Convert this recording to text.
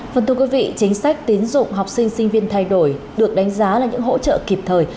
phần thưa quý vị chính sách tín dụng học sinh sinh viên thay đổi được đánh giá là những hỗ trợ kịp thời